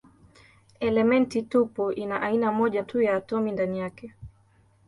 Elementi tupu ina aina moja tu ya atomi ndani yake.